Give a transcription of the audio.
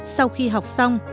sau khi học xong